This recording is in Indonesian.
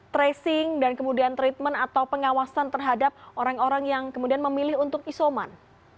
tracing dan kemudian treatment atau pengawasan terhadap orang orang yang kemudian memilih untuk isoman